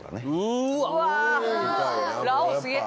うわ！